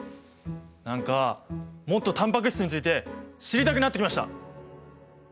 何かもっとタンパク質について知りたくなってきました！